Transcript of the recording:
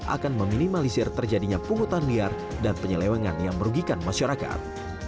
akan meminimalisir terjadinya pungutan liar dan penyelewengan yang merugikan masyarakat